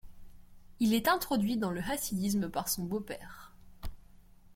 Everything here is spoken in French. Il est introduit dans le hassidisme par son beau-père.